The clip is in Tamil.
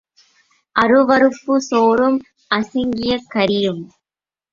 அருவருப்புச் சோறும் அசங்கியக் கறியும்.